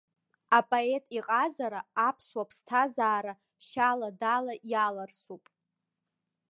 Апоет иҟазара аԥсуа ԥсҭазаара шьала-дала иаларсуп.